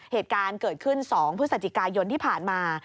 เหตุการณ์เกิดขึ้น๒พฤศจิกายนที่ผ่านมา